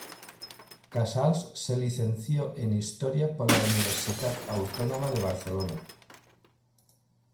Casals se licenció en Historia por la Universitat Autònoma de Barcelona.